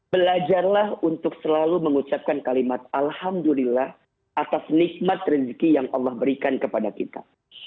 belajarlah untuk selalu mengucapkan kalimat alhamdulillah atas nikmat rezeki yang allah berikan kepada kita